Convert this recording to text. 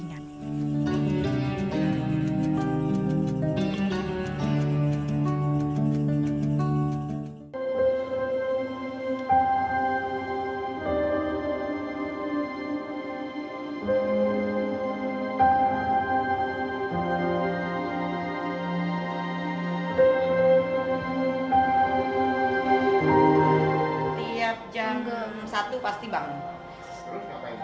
setiap jam satu pasti bangun